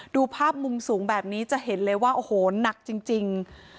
ดูภาพมุมสูงแบบนี้จะเห็นเลยว่าโอ้โหหนักจริง